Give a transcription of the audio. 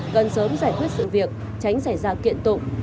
gần sớm giải quyết sự việc tránh xảy ra kiện tụng